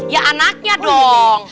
ya anaknya dong